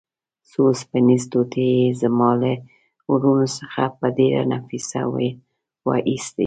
څو اوسپنیزې ټوټې یې زما له ورنو څخه په ډېره نفیسه وه ایستې.